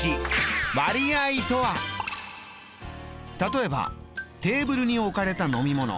例えばテーブルに置かれた飲み物。